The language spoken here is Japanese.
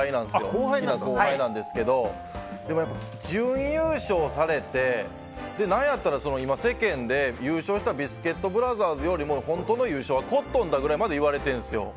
好きな後輩なんですけどでも、準優勝されて何やったら世間で優勝したビスケットブラザーズよりも本当の優勝はコットンだぐらいまで言われてるんですよ。